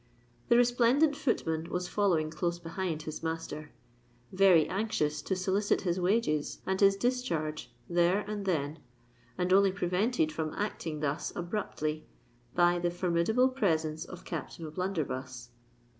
The resplendent footman was following close behind his master—very anxious to solicit his wages and his discharge there and then, and only prevented from acting thus abruptly by the formidable presence of Captain O'Blunderbuss.